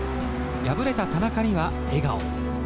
敗れた田中には笑顔。